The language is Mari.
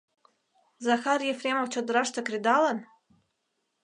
Захар Ефремов чодыраште кредалын?